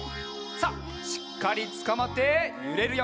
さあしっかりつかまってゆれるよ。